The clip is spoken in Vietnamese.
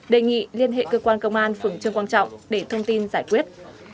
đề nghị liên hệ cơ quan công an phường trương quang trọng để thông tin giải quyết